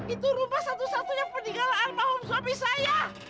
itu rumah satu satunya peninggalan maum suami saya